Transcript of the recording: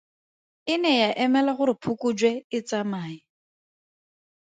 E ne ya emela gore Phokojwe e tsamaye.